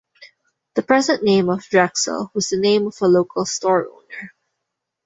The present name of Drexel was the name of a local store owner.